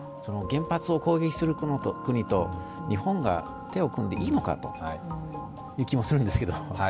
原発を攻撃する国と日本が手を組んでいいのかという気もするんですけど。